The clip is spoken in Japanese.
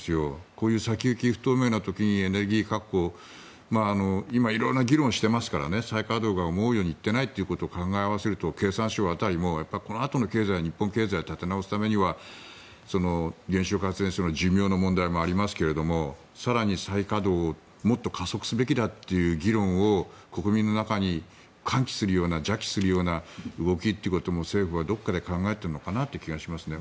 こういう先行き不透明な時にエネルギー価格を今、色々な議論をしてますから再稼働が思うようにいってないってことを考えると経産省辺りもこのあとの日本経済を立て直すには原子力発電所の寿命の問題もありますが更に再稼働をもっと加速すべきだという議論を国民の中に喚起するような惹起するような動きっていうのを政府はどこかで考えているのかなという気がしますね。